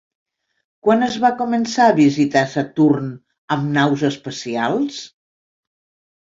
Quan es va començar a visitar Saturn amb naus espacial?